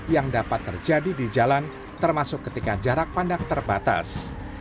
yang dapat terjadi di jalan termasuk ketika jarak pandang terbatas